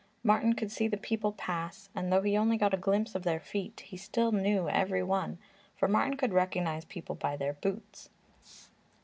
Martin could see the people pass, and though he only got a glimpse of their feet, he still knew every one, for Martin could recognize people by their boots.